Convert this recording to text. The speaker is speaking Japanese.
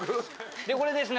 でこれですね